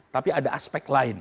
tapi ada aspek lain